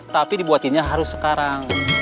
tapi dibuatinya harus sekarang